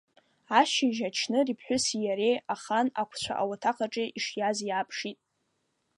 Ашьыжь ачныр иԥҳәыси иареи ахан ақәцәа ауаҭах аҿы ишиаз иааԥшит.